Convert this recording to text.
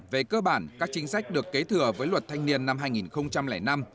về cơ bản các chính sách được kế thừa với luật thanh niên năm hai nghìn năm